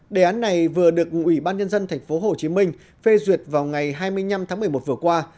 đề án này vừa được ubnd tp hcm phê duyệt vào ngày hai mươi năm tháng một mươi một vừa qua